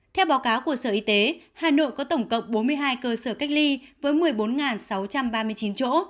theo báo cáo của sở y tế hà nội có tổng cộng bốn mươi hai cơ sở cách ly với một mươi bốn sáu trăm ba mươi chín chỗ